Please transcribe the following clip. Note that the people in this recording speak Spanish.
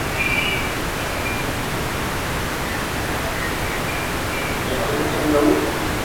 Ha realizado expediciones botánicas a Chile y Argentina.